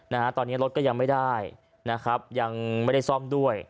นะฮะตอนนี้รถก็ยังไม่ได้นะครับยังไม่ได้ซ่อมด้วย